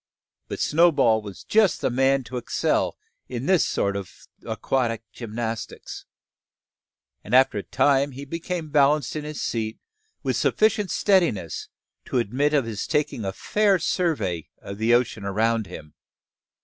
But Snowball was just the man to excel in this sort of aquatic gymnastics; and after a time he became balanced in his seat with sufficient steadiness to admit of his taking a fair survey of the ocean around him.